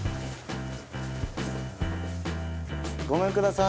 ごめんください。